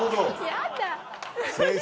やだ！